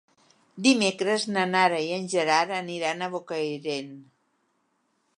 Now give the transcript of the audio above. Dimecres na Nara i en Gerard aniran a Bocairent.